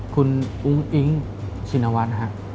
คุณอุ้งอิ้งชินวัน